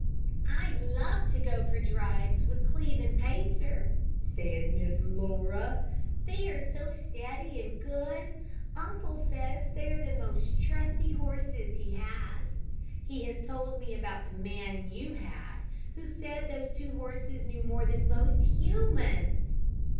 "I love to go for drives with Cleve and Pacer," said Miss Laura, "they are so steady and good. Uncle says they are the most trusty horses he has. He has told me about the man you had, who said that those two horses knew more than most 'humans.'"